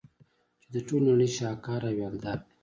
چي د ټولي نړۍ شهکار او يادګار دئ.